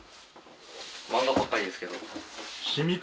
漫画ばっかりですけど。